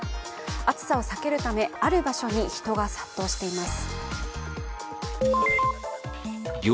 暑さを避けるため、ある場所に人が殺到しています。